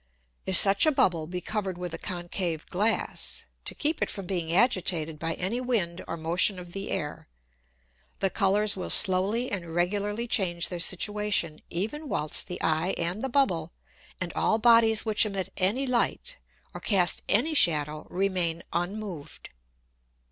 If such a Bubble be cover'd with a concave Glass, to keep it from being agitated by any Wind or Motion of the Air, the Colours will slowly and regularly change their situation, even whilst the Eye and the Bubble, and all Bodies which emit any Light, or cast any Shadow, remain unmoved.